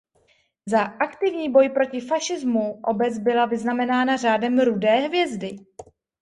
Za aktivní boj proti fašismu obec byla vyznamenána Řádem Rudé hvězdy.